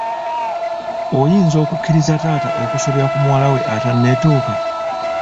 Oyinza okukikkiriza taata okusobya ku muwala we atanneetuuka?